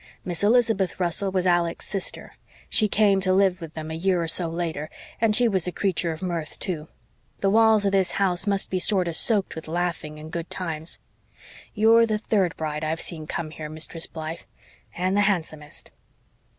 Miss Elizabeth Russell was Alec's sister. She came to live with them a year or so later, and she was a creature of mirth, too. The walls of this house must be sorter SOAKED with laughing and good times. You're the third bride I've seen come here, Mistress Blythe and the handsomest."